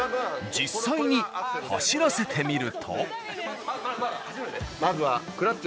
実際に走らせてみると。